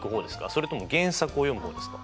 それとも原作を読む方ですか？